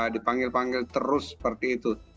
dipanggil panggil terus seperti itu